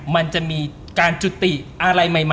มันจะมีการจุติอะไรใหม่เกิดขึ้น